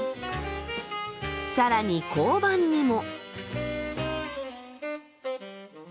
更に交番にも。